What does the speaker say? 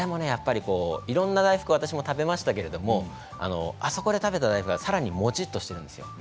いろんな大福を食べましたけどあそこで食べた大福はさらに、もちっとしているんです。